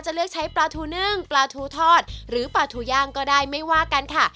เลือกใช้ปลาทูนึ่งปลาทูทอดหรือปลาทูย่างก็ได้ไม่ว่ากันค่ะ